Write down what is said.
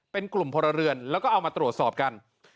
เป็นกลุ่มพลเรือนแล้วก็เอามาตรวจสอบกัน